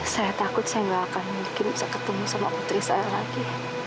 saya takut saya gak akan mungkin bisa ketemu sama putri saya lagi